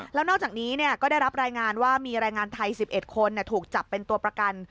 แล้วนอกจากนี้ก็ได้รับรายงานว่ามีแรงงานไทย๑๑คนถูกจับเป็นตัวประกัน